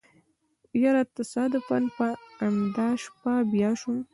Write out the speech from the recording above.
يره تصادفاً په امدا شپه بيا شوم.